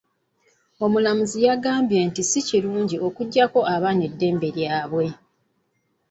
Omulamuzi yagambye nti si kirungi okuggyako abaana dembe lyabwe.